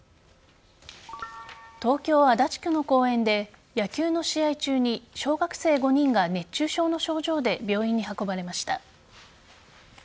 東京・足立区の公園で野球の試合中に小学生５人が、熱中症の症状で病院に運ばれました。